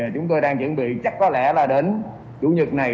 chúng tôi đang chuẩn bị chắc có lẽ là đến chủ nhật này